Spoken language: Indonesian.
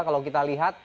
kalau kita lihat